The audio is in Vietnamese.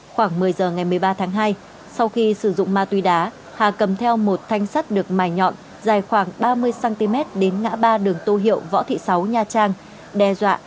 khoảng một mươi giờ ngày một mươi ba tháng hai sau khi sử dụng ma túy đá hà cầm theo một thanh sắt được mài nhọn dài khoảng ba mươi cm đến ngã ba đường tô hiệu võ thị sáu nha trang đe dọa